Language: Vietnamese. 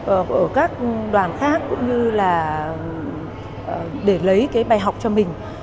ở các đoàn khác cũng như là để lấy cái bài học cho mình